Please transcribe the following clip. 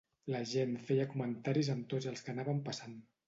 La gent feia comentaris am tots els que anaven passant.